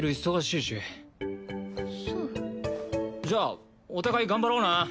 じゃあお互い頑張ろうな。